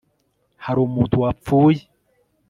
hari umuntu wapfuye